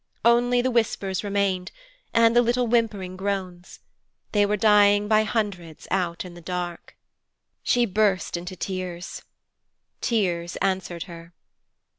Only the whispers remained, and the little whimpering groans. They were dying by hundreds out in the dark. She burst into tears. Tears answered her.